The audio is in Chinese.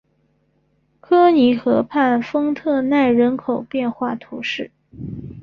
科尼河畔丰特奈人口变化图示